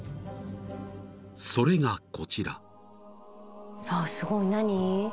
［それがこちら］